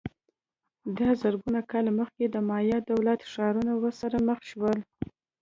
دا زرګونه کاله مخکې د مایا دولت ښارونه ورسره مخ شول